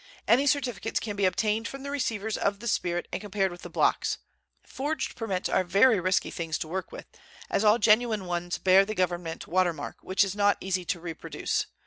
Any certificates can be obtained from the receivers of the spirit and compared with the blocks. Forged permits are very risky things to work with, as all genuine ones bear the government watermark, which is not easy to reproduce.